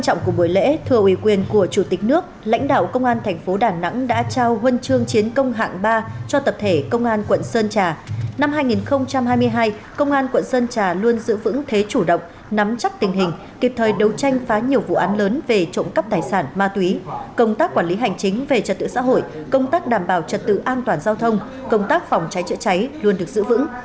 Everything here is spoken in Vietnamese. trước mắt các đơn vị cần tập trung thực hiện có hiệu quả cao điểm đấu tranh phá nhiều vụ án lớn về trộm cắp tài sản ma túy công tác quản lý hành chính về trật tự xã hội công tác đảm bảo trật tự an toàn giao thông công tác phòng cháy chữa cháy luôn được giữ vững